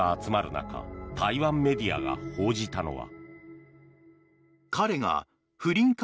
中台湾メディアが報じたのは。